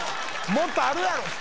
もっとあるやろ！